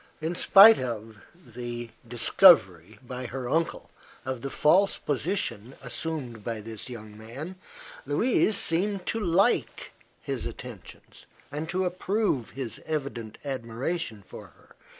In spite of her uncle's discovery of the false position assumed by this young man, Louise seemed to like his attentions and to approve his evident admiration for her.